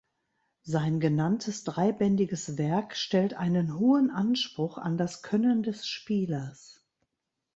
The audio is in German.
Sein genanntes dreibändiges Werk stellt einen hohen Anspruch an das Können des Spielers.